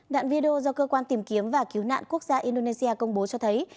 đoạn video do cơ quan tìm kiếm và cứu nạn quốc gia indonesia công bố cho thấy